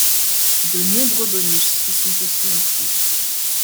De nombreux bonus y sont aussi inclus.